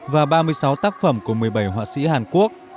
và ba mươi sáu tác phẩm của một mươi bảy họa sĩ hàn quốc